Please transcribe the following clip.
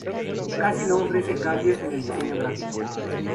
Casi no ofrece cambios en el diseño gráfico.